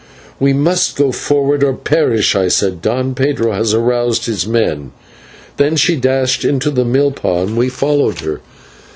"We must go forward or perish," I said. "Don Pedro has aroused his men." Then she dashed into the /milpa/, and we followed her.